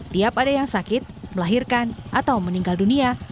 tiap ada yang sakit melahirkan atau meninggal dunia